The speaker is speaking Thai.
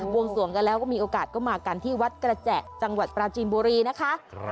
วงสวงกันแล้วก็มีโอกาสก็มากันที่วัดกระแจจังหวัดปราจีนบุรีนะคะ